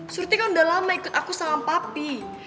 surti kan udah lama aku sama papi